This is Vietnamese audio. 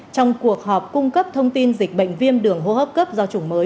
trong cuộc họp cung cấp thông tin dịch bệnh viêm đường hô hấp cấp do chủng mới